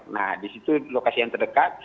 nah di situ lokasi yang terdekat